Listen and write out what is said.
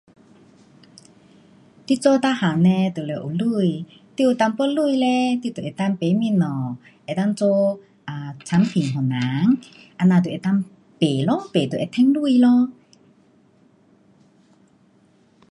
你做什么都有钱你有一点钱你可以买东西可以做产品给人就可以卖 lor 卖就可以赚钱